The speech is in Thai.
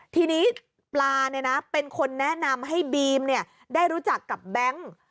ทีนี้ปลาเป็นคนแนะนำให้บีมได้รู้จักกับแบงค์